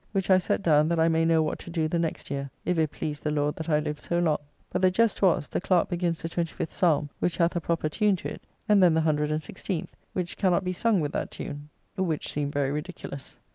which I set down that I may know what to do the next year, if it please the Lord that I live so long; but the jest was, the Clerk begins the 25th psalm, which hath a proper tune to it, and then the 116th, which cannot be sung with that tune, which seemed very ridiculous.